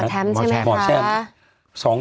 หมอแชมป์ใช่ไหมคะ